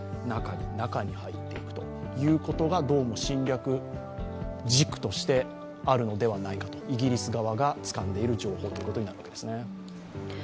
中に中に入っていくということがどうも侵略軸としてあるのではないかとイギリス側がつかんでいる情報になるわけです。